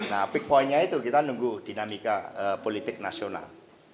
nah big pointnya itu kita nunggu dinamika politik nasional